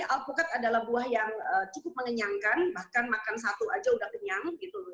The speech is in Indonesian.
alpukat adalah buah yang cukup mengenyangkan bahkan makan satu saja sudah kenyang